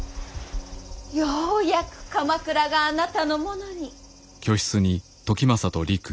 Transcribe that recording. ようやく鎌倉があなたのものに。